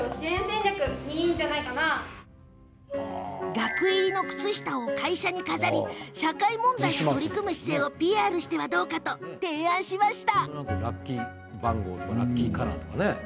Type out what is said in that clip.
額入りの靴下を会社に飾り社会問題に取り組む姿勢をＰＲしてはどうかと提案しました。